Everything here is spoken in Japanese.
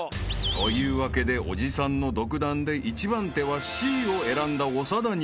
［というわけでおじさんの独断で１番手はＣを選んだ長田に］